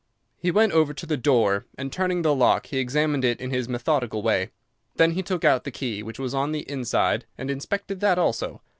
He went over to the door, and turning the lock he examined it in his methodical way. Then he took out the key, which was on the inside, and inspected that also.